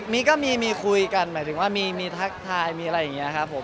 มีก็มีคุยกันหมายถึงว่ามีทักทายมีอะไรอย่างนี้ครับผม